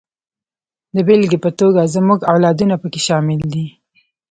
د بېلګې په توګه زموږ اولادونه پکې شامل دي.